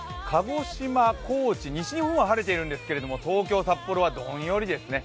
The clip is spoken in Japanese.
高知、西日本は晴れてるんですけど東京、札幌はどんよりですね。